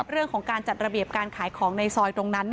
เรื่องของการจัดระเบียบการขายของในซอยตรงนั้น